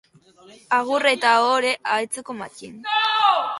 Agur eta ohore, Ahetzeko Mattin.